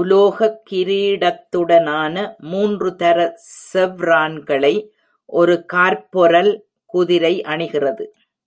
உலோகக் கிரீடத்துடனான மூன்று தர செவ்ரான்களை ஒரு கார்பொரல் குதிரை அணிகிறது.